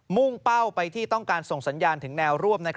่งเป้าไปที่ต้องการส่งสัญญาณถึงแนวร่วม